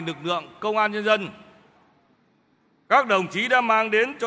lực lượng công an nhân dân các đồng chí đã mang đến cho